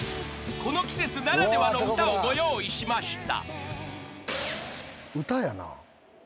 ［この季節ならではの歌をご用意しました］